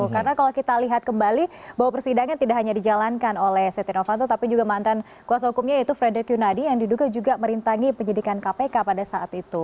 karena kalau kita lihat kembali bahwa persidangan tidak hanya dijalankan oleh setia novanto tapi juga mantan kuasa hukumnya yaitu frederick yunadi yang diduga juga merintangi penyidikan kpk pada saat itu